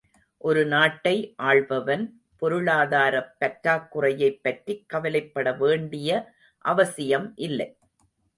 ஒரு நாட்டை ஆள்பவன் பொருளாதாரப் பற்றாக் குறையைப் பற்றிக் கவலைப்பட வேண்டிய அவசியம் இல்லை.